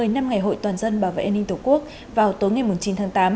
một mươi năm ngày hội toàn dân bảo vệ an ninh tổ quốc vào tối ngày chín tháng tám